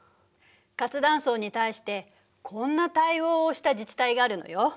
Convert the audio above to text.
活断層に対してこんな対応をした自治体があるのよ。